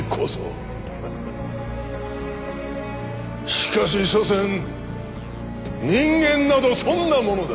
しかし所詮人間などそんなものだ。